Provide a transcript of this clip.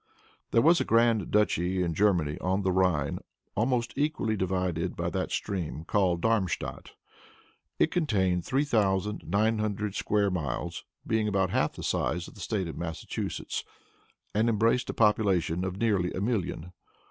There was a grand duchy in Germany, on the Rhine, almost equally divided by that stream, called Darmstadt. It contained three thousand nine hundred square miles, being about half the size of the State of Massachusetts, and embraced a population of nearly a million.